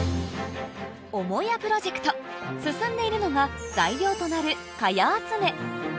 母屋プロジェクト進んでいるのが材料となる茅集め